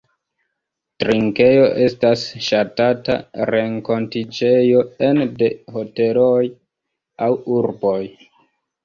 Trinkejo estas ŝatata renkontiĝejo ene de hoteloj aŭ urboj.